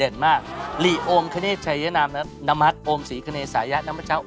แท่แห่งศิลปะ